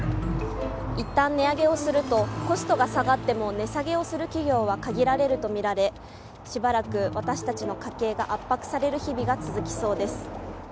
一旦値上げをするとコストが下がっても値下げをする企業は限られるとみられしばらく私たちの家計が圧迫される日々が続きそうです。